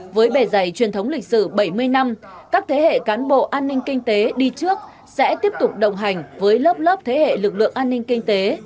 với bề dày truyền thống lịch sử bảy mươi năm các thế hệ cán bộ an ninh kinh tế đi trước sẽ tiếp tục đồng hành với lớp lớp thế hệ lực lượng an ninh kinh tế